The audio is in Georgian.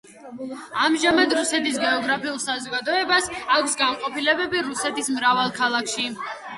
ამჟამად რუსეთის გეოგრაფიულ საზოგადოებას აქვს განყოფილებები რუსეთის მრავალ ქალაქში.